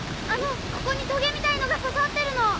あのここにトゲみたいのが刺さってるの。